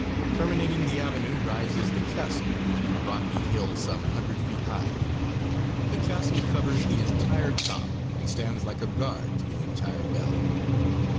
Terminating the avenue rises the castle, on a rocky hill some hundred feet high. The castle covers the entire top and stands like a guard to the entire valley.